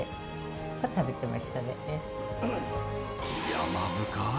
山深い